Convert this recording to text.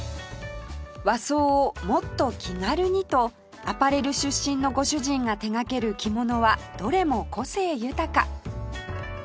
和装をもっと気軽にとアパレル出身のご主人が手がける着物はどれも個性豊か